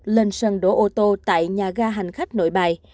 lên sân đổ ô tô tại nhà ga hành khách nội bài